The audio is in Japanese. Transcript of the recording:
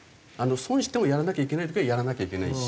損してもやらなきゃいけない時はやらなきゃいけないし。